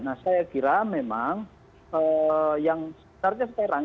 nah saya kira memang yang sebenarnya sekarang